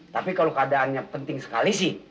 tapi kalau keadaannya penting sekali sih